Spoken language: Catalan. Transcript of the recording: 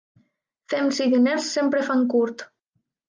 Fems i diners sempre fan curt.